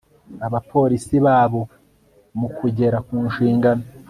abapolisi babo mu kugera ku nshingano